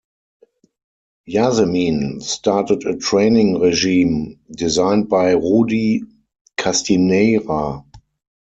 Yasemin started a training regime designed by Rudi Castineyra.